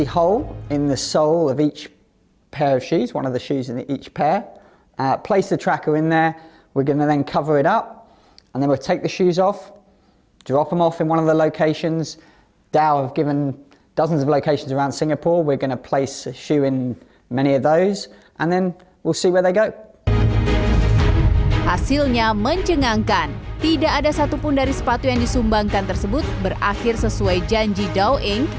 hasilnya mencengangkan tidak ada satupun dari sepatu yang disumbangkan tersebut berakhir sesuai janji dow inc